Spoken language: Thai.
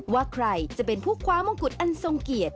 ว่าใครจะเป็นผู้คว้ามงกุฎอันทรงเกียรติ